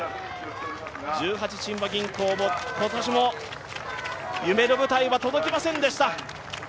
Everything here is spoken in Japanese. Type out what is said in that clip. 十八親和銀行も、今年も夢の舞台は届きませんでした。